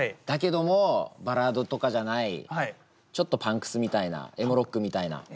だけどもバラードとかじゃないちょっとパンクスみたいなエモロックみたいな。